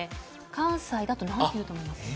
関西だとなんだと思いますか。